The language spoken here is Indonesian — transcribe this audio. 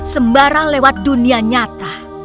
sembarang lewat dunia nyata